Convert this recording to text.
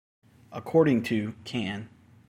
According to can.